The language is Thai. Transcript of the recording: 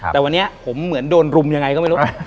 แต่วันนี้ผมเหมือนโดนรุมยังไงก็ไม่รู้